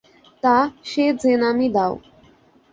তা, সে যে নামই দাও।